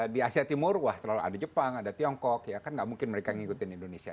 di asia timur wah terlalu ada jepang ada tiongkok ya kan nggak mungkin mereka ngikutin indonesia